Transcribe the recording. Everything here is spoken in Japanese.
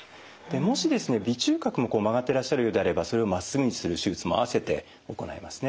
もしですね鼻中隔も曲がってらっしゃるようであればそれをまっすぐにする手術も併せて行いますね。